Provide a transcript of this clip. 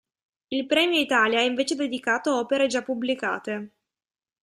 Il Premio Italia è invece dedicato a opere già pubblicate.